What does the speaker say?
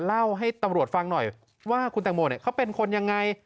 เล่าให้ตำรวจฟังหน่อยว่าคุณแตงโมเขาเป็นคนยังไง